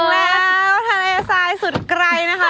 แล้วทะเลทรายสุดไกลนะคะ